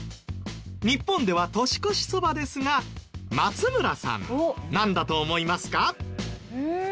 日本では年越しそばですが松村さんなんだと思いますか？